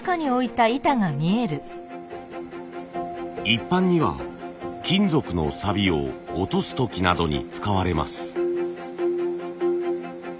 一般には金属のさびを落とす時などに使われます。